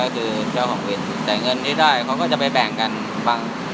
ก็คือเจ้าของวินแต่เงินที่ได้เขาก็จะไปแบ่งกันบาง